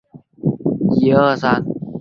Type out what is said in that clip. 珙县芙蓉矿区是四川省重要的煤田。